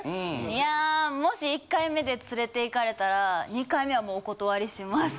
いやもし１回目で連れて行かれたら２回目はもうお断りします。